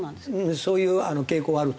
そういう傾向はあると。